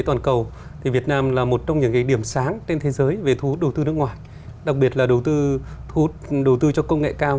điều này cho thấy tiềm sáng trên thế giới về thu hút đầu tư nước ngoài đặc biệt là đầu tư cho công nghệ cao